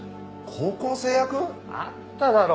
高校生役？あっただろ